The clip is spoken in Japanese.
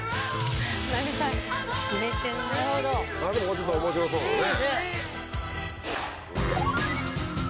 ちょっと面白そうだね。